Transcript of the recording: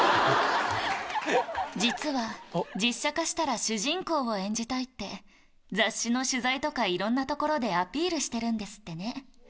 実は実写化したら主人公を演じたいって雑誌の取材とかいろんなところでアピールしてるんですってね。